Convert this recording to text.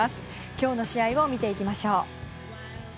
今日の試合を見ていきましょう。